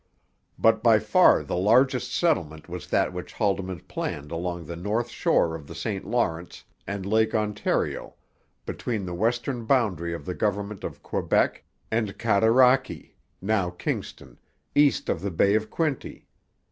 But by far the largest settlement was that which Haldimand planned along the north shore of the St Lawrence and Lake Ontario between the western boundary of the government of Quebec and Cataraqui (now Kingston), east of the Bay of Quinte.